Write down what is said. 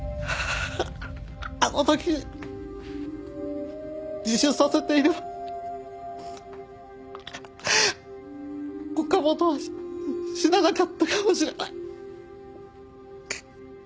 あのとき自首させていれば岡本は死ななかったかもしれない。